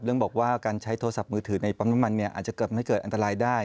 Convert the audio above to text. เรื่องบอกว่าการใช้โทรศัพท์มือถือในปั๊มน้ำมันอาจจะเกิดอันตรายได้